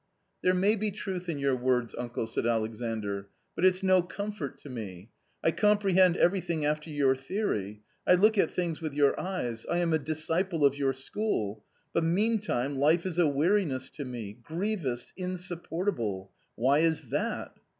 " There may be truth in your words, uncle," said Alexandr, "but it's no comfort to me. I comprehend everything after your theory. I look at things with your eyes ; I am a disciple of your school ; but meantime life is a weariness to me — grievous, insupportable. Why is that